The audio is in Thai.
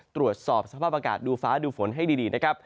ตรวจสอบสภาพอากาศดูฟ้าดูฝนให้ดีนะครับ